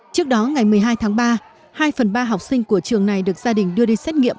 trước đó ngày một mươi hai tháng ba hai phần ba học sinh của trường này được gia đình đưa đi xét nghiệm